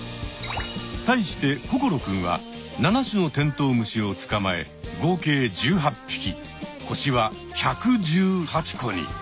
対して心くんは７種のテントウムシをつかまえ合計１８ぴき星は１１８個に！